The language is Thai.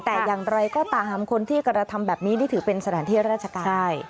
แต่อย่างไรก็ตามคนที่กระทำแบบนี้นี่ถือเป็นสถานที่ราชการใช่